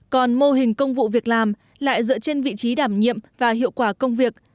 còn mô hình công vụ việc làm lại dựa trên vị trí đảm nhiệm và hiệu quả công việc